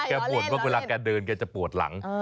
บ่นว่าเวลาแกเดินแกจะปวดหลัง